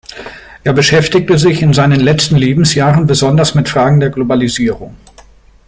Er beschäftigte sich in seinen letzten Lebensjahren besonders mit Fragen der Globalisierung.